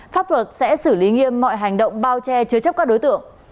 pháp luật sẽ xử lý nghiêm mọi hành động bao che chứa chấp các đối tượng